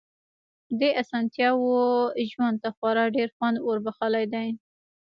دې اسانتياوو ژوند ته خورا ډېر خوند وربښلی دی.